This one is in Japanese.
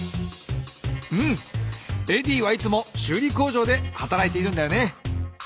うんエディはいつもしゅうり工場ではたらいているんだよね。